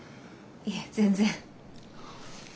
いえ全然。